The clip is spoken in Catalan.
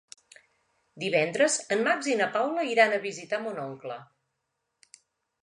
Divendres en Max i na Paula iran a visitar mon oncle.